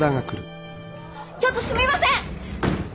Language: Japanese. ちょっとすみません！